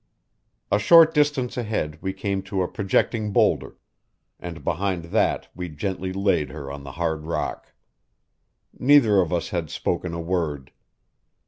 A short distance ahead we came to a projecting boulder, and behind that we gently laid her on the hard rock. Neither of us had spoken a word.